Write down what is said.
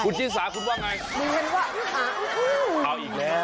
คุณชินสาคุณว่าไงมันว่าอื๊ออา